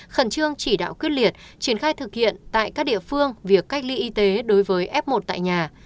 khẩn trương chỉ đạo quyết liệt triển khai thực hiện tại các địa phương việc cách ly y tế đối với f một tại nhà